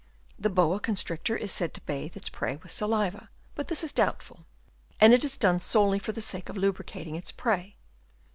The boa constrictor is said to bathe its prey with saliva, but this is doubtful ; and it is done solely for the sake of lubricating its prey.